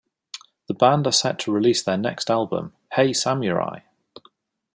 The band are set to release their next album, Hey Samurai!